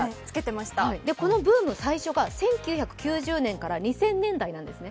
このブーム、最初が１９９０年から２０００年代なんですね。